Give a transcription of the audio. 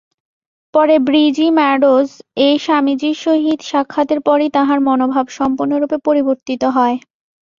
পরে ব্রীজি মেডোজ-এ স্বামীজীর সহিত সাক্ষাতের পরই তাঁহার মনোভাব সম্পূর্ণরূপে পরিবর্তিত হয়।